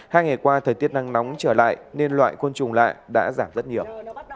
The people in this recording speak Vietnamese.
hai ngày qua thời tiết nắng nóng trở lại nên loại côn trùng lạ đã giảm rất nhiều